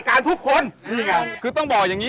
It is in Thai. ชื่องนี้ชื่องนี้ชื่องนี้ชื่องนี้ชื่องนี้